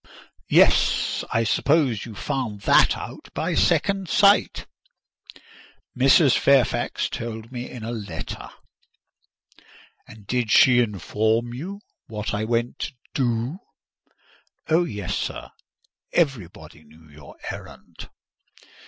"Yes; I suppose you found that out by second sight." "Mrs. Fairfax told me in a letter." "And did she inform you what I went to do?" "Oh, yes, sir! Everybody knew your errand."